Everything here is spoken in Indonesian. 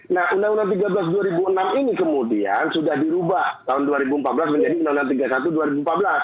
nah undang undang tiga belas dua ribu enam ini kemudian sudah dirubah tahun dua ribu empat belas menjadi undang undang tiga puluh satu dua ribu empat belas